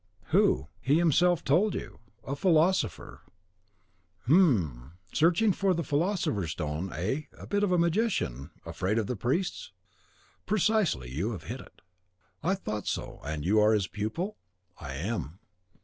"Who? he himself told you, a philosopher." "Hem! searching for the Philosopher's Stone, eh, a bit of a magician; afraid of the priests?" "Precisely; you have hit it." "I thought so; and you are his pupil?" "I am."